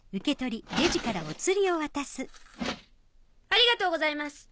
ありがとうございます。